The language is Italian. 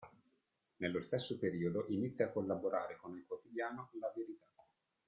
Nello stesso periodo inizia a collaborare con il quotidiano "La Verità".